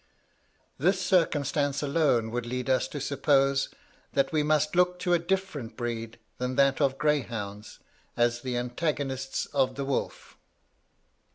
This circumstance alone would lead us to suppose, that we must look to a different breed than that of greyhounds as the antagonists of the wolf.